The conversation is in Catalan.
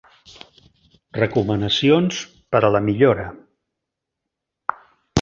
Recomanacions per a la millora.